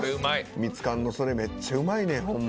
ミツカンのそれめっちゃうまいねんホンマ。